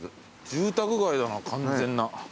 住宅街だな完全な。